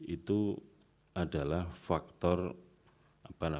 itu adalah faktor kualitas